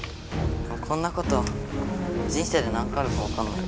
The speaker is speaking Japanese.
こんなこと人生で何回あるかわかんないから。ね